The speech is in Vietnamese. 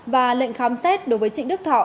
và lệnh khám xét đối với trịnh đức thọ